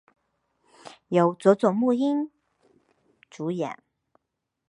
由佐佐木英明主演。